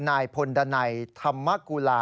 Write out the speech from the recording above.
นายพลดันัยธรรมกุลา